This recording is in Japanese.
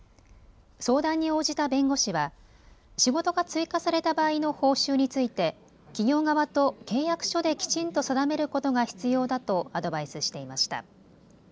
相談に応じた弁護士は仕事が追加された場合の報酬について企業側と契約書できちんと定めることが必要だとアドバイスしていました。